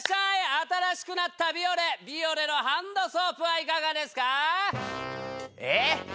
新しくなったビオレビオレのハンドソープはいかがですか？